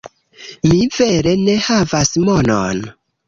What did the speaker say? Mi vere ne havas monon